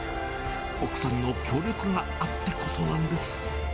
奥さんの協力があってこそなんです。